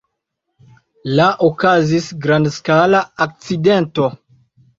La okazis grandskala akcidento.